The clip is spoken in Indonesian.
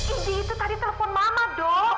indi itu tadi telepon mama do